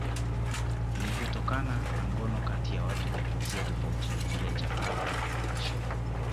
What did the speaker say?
vilivyotokana na ngono kati ya watu wa jinsia tofauti ni kile cha Arthur Ashe